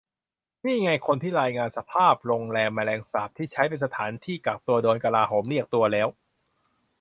นี่ไง คนที่รายงานสภาพ"โรงแรมแมลงสาบ" ที่ใช้เป็นสถานที่กักตัว โดนกลาโหมเรียกตัวแล้ว